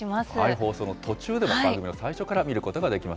放送の途中でも番組の最初から見ることができます。